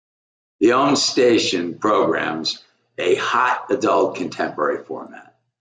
The -owned station programs a Hot Adult Contemporary format.